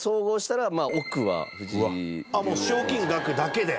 もう賞金額だけで？